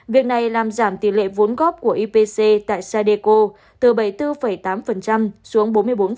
việc này làm giảm tỷ lệ vốn góp của ipc tại sadeco từ bảy mươi bốn tám xuống bốn mươi bốn